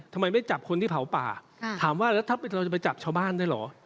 ทำไมไม่จับคนที่เผาป่าถามว่าแล้วถ้าเราจะไปจับชาวบ้านได้เหรอ